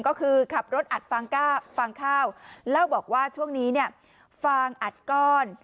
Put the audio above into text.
ก็คือขับรถอัดฟางข้าวเล่าบอกว่าช่วงนี้เนี่ยฟางอัดก้อน